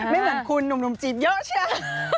ไม่เหมือนคุณหนุ่มจีบเยอะใช่ไหม